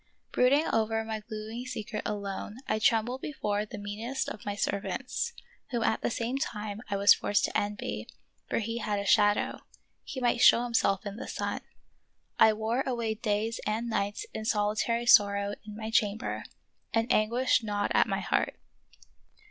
Brooding over my gloomy secret alone, I trembled before the meanest of my servants, whom at the same time I was forced to envy, for he had a shadow ; he might show himself in the sun. I wore away days and nights in soli tary sorrow in my chamber, and anguish gnawed at my heart.